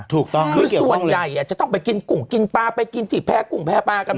ถูกต้องคือส่วนใหญ่จะต้องไปกินกุ่งกินปลาไปกินที่แพ้กุ้งแพ้ปลากัน